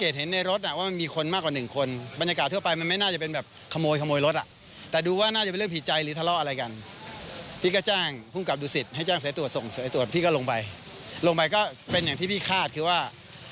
ที่พี่คาดคือว่าคนขับรถเค้าบอกว่า